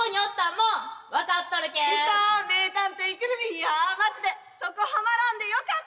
いやマジでそこはまらんでよかった。